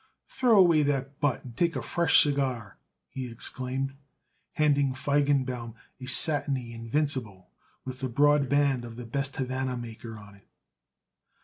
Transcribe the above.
"Throw away that butt and take a fresh cigar," he exclaimed, handing Feigenbaum a satiny Invincible with the broad band of the best Havana maker on it.